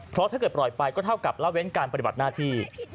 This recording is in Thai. เพราะถ้าเกิดปล่อยไปก็เท่ากับละเว้นการปฏิบัติหน้าที่